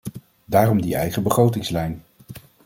Daarom die eigen begrotingslijn.